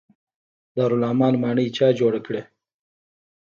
دارالامان ماڼۍ چا جوړه کړه؟